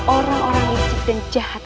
orang orang musik dan jahat